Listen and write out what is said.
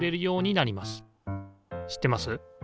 知ってます？